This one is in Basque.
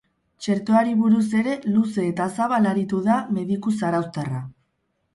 Txertoari buruz ere luze eta zabal aritu da mediku zarauztarra.